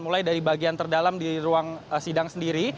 mulai dari bagian terdalam di ruang sidang sendiri